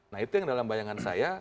nah itu yang dalam bayangan saya